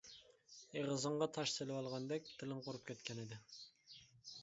ئېغىزىڭغا تاش سېلىۋالغاندەك تىلىڭ قۇرۇپ كەتكەنىدى.